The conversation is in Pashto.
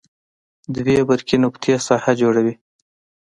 دوې برقي نقطې ساحه جوړوي.